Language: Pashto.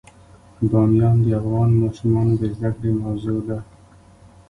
بامیان د افغان ماشومانو د زده کړې موضوع ده.